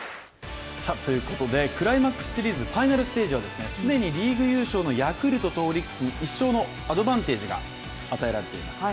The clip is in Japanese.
クライマックスシリーズファイナルステージは既にリーグ優勝のヤクルトとオリックスに１勝のアドバンテージが与えられています。